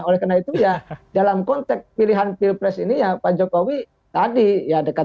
oleh karena itu ya dalam konteks pilihan pilpres ini ya pak jokowi tadi ya dekat